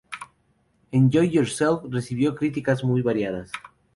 Enjoy Yourself recibió críticas muy variadas.